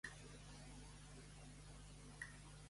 El seu pare era un Miranda que havia violat la seva mare pagesa.